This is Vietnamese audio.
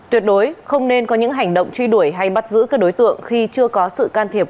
tuyệt đối không nên có những hành động truy đuổi hay bắt giữ các đối tượng khi chưa có sự can thiệp